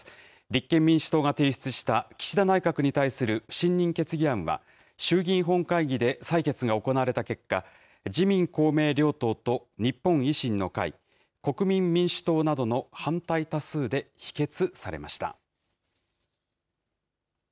立憲民主党が提出した岸田内閣に対する不信任決議案は、衆議院本会議で採決が行われた結果、自民、公明両党と日本維新の会、国民民主党などの反対多数で否決されました。